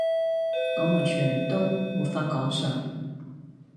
我們全都沒法趕上！